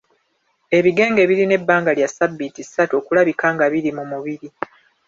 Ebigenge birina ebbanga lya ssabbiiti ssatu okulabika nga biri mu mubiri.